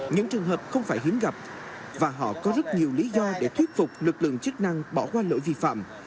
những trường hợp không phải hiếm gặp và họ có rất nhiều lý do để thuyết phục lực lượng chức năng bỏ qua lỗi vi phạm